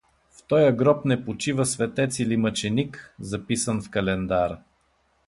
В тоя гроб не почива светец или мъченик, записан в календара.